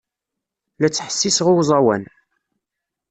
La ttḥessiseɣ i uẓawan.